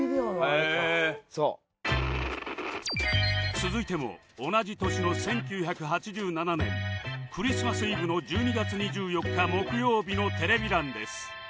続いても同じ年の１９８７年クリスマスイブの１２月２４日木曜日のテレビ欄です